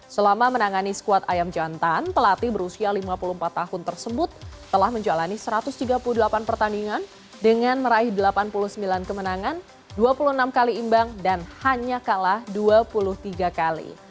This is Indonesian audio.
selama menangani skuad ayam jantan pelatih berusia lima puluh empat tahun tersebut telah menjalani satu ratus tiga puluh delapan pertandingan dengan meraih delapan puluh sembilan kemenangan dua puluh enam kali imbang dan hanya kalah dua puluh tiga kali